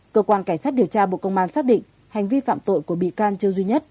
cơ quan cảnh sát điều tra bộ công an xác định hành vi phạm tội của bị can trương duy nhất